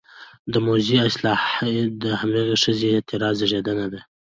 د موذي اصطلاح د همدغې ښځينه اعتراض زېږنده دى: